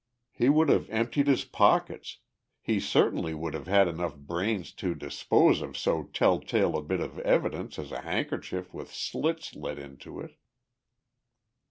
He would have emptied his pockets, he certainly would have had enough brains to dispose of so tell tale a bit of evidence as a handkerchief with slits let into it.